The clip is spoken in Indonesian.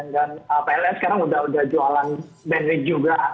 dan pln sekarang sudah jualan bandwidth juga